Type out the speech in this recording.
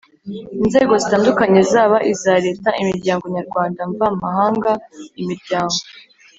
Inzego zitandukanye zaba iza Leta Imiryango nyarwanda mva mahanga imiryango